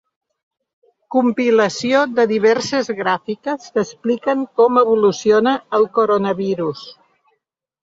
Compilació de diverses gràfiques que expliquen com evoluciona el coronavirus.